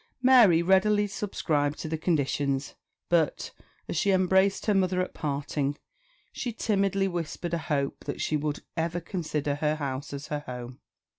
Mary readily subscribed to the conditions; but, as she embraced her mother at parting, she timidly whispered a hope that she would ever consider her house as her home.